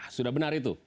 sudah benar itu